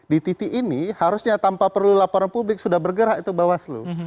di titik ini harusnya tanpa perlu laporan publik sudah bergerak itu bawaslu